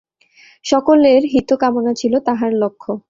সকলের হিত-কামনা ছিল তাঁহার লক্ষ্য।